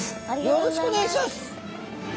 よろしくお願いします。